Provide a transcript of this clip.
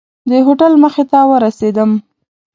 د هوټل مخې ته ورسېدم.